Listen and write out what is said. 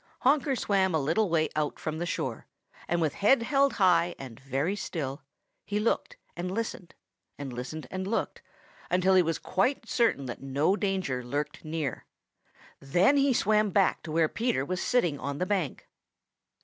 Honker swam a little way out from shore, and with head held high and very still, he looked and listened and listened and looked until he was quite certain that no danger lurked near. Then he swam back to where Peter was sitting on the bank.